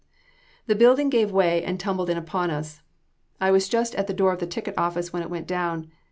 "The building gave way and tumbled in upon us. I was just at the door of the ticket office when it went down.